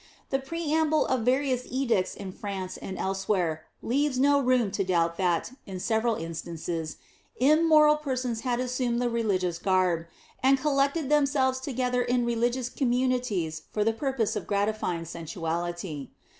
The preamble of various edicts in France and elsewhere leaves no room to doubt that, in several instances, immoral persons had assumed the religious garb, and collected themselves together in religious communities for the purpose of gratifying sensuality.